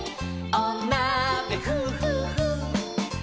おなべふーふー